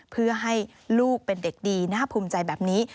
เพื่อให้ลูกเป็นเด็กดีน่าภูมิใจแบบนี้